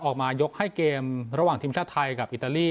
ออกมายกให้เกมระหว่างทีมชาติไทยกับอิตาลี